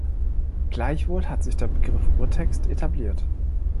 Gleichwohl hat sich der Begriff "Urtext" etabliert.